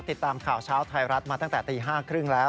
ติดตามข่าวเช้าไทยรัฐมาตั้งแต่ตี๕๓๐แล้ว